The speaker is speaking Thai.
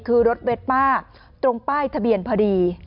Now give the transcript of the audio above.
คือรถเวดป้าตรงป้ายทะเบียนพอดี